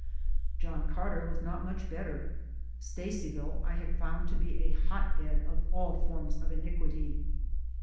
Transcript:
John Carter was not much better. Stacyville I had found to be a hotbed of all forms of iniquity.